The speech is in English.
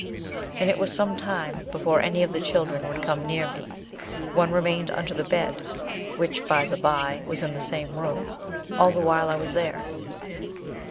And it was some time before any of the children would come near me; one remained under the bed (which, by the by, was in the same room), all the while I was there.